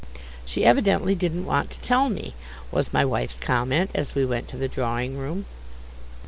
"She evidently didn't want to tell me," was my wife's comment, as we went to the drawing room.